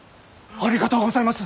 ありがとうございます。